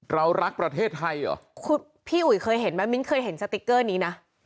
เรารักประเทศไทยเหรอคุณพี่อุ๋ยเคยเห็นไหมมิ้นเคยเห็นสติ๊กเกอร์นี้นะ